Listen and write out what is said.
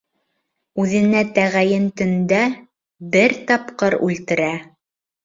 Үҙенә тәғәйен төндә... бер тапҡыр үлтерә.